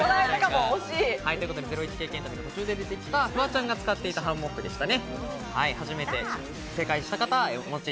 ゼロイチ経験旅の途中で出てきたフワちゃんも使ったハンモックでしたね。